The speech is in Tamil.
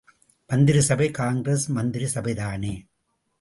மந்திரிசபை காங்கிரஸ் மந்திரி சபைதானே.